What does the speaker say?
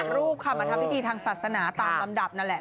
รูปค่ะมาทำพิธีทางศาสนาตามลำดับนั่นแหละ